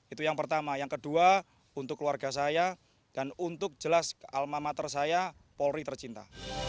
itu yang pertama yang kedua untuk keluarga saya dan untuk jelas alma mater saya polri tercinta